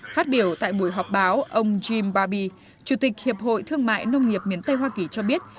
phát biểu tại buổi họp báo ông jim babi chủ tịch hiệp hội thương mại nông nghiệp miền tây hoa kỳ cho biết